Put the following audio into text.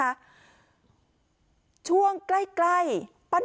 หญิงบอกว่าจะเป็นพี่ปวกหญิงบอกว่าจะเป็นพี่ปวก